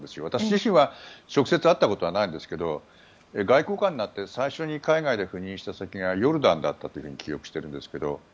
私自身は直接会ったことはないんですが外交官になって最初に海外で赴任した先がヨルダンだったというふうに記憶しているんですけど。